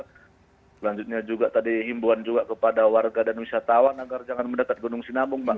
selanjutnya juga tadi himbuan juga kepada warga dan wisatawan agar jangan mendekat gunung sinabung bang